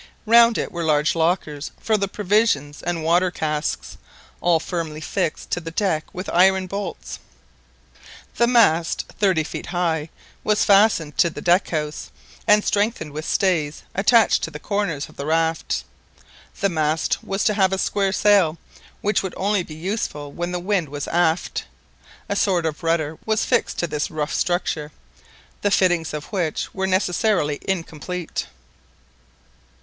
Round it were large lockers for the provisions and water casks, all firmly fixed to the deck with iron bolts. The mast, thirty feet high, was fastened to the deck house, and strengthened with stays attached to the corners of the raft. This mast was to have a square sail, which would only be useful when the wind was aft. A sort of rudder was fixed to this rough structure, the fittings of which were necessarily incomplete.